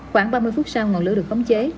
khoảng ba mươi phút sau ngọn lửa được khống chế